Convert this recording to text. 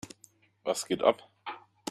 Was geht ab?